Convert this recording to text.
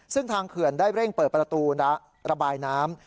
ซึ่งทางเขื่อนได้เร่งเปิดประตูระบายน้ำ